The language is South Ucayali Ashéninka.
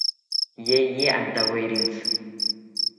Yeye antawerentzi